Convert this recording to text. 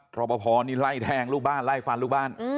รอปภนี่ไล่แทงลูกบ้านไล่ฟันลูกบ้าน